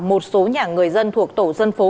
một số nhà người dân thuộc tổ dân phố